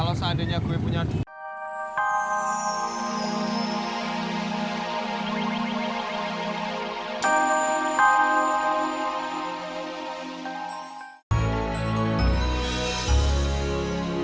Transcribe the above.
kalau seandainya gue punya